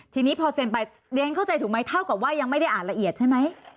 ทีนี้พอเซ็นไปเรียนเข้าใจถูกไหมเท่ากับว่ายังไม่ได้อ่านละเอียดใช่ไหม